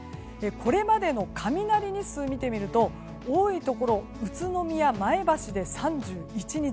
これまでの雷日数を見てみると多いところ宇都宮、前橋で３１日。